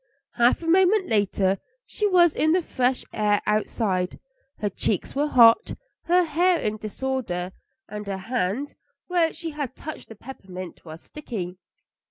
Half a moment later she was in the fresh air outside. Her cheeks were hot, her hair in disorder, and her hand, where she had touched the peppermint, was sticky."